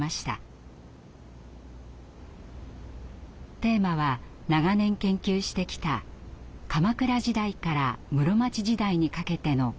テーマは長年研究してきた鎌倉時代から室町時代にかけての「鏡」。